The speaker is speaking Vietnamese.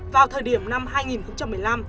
vào thời điểm năm hai nghìn một mươi năm